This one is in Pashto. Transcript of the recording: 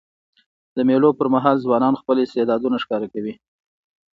د مېلو پر مهال ځوانان خپل استعدادونه ښکاره کوي.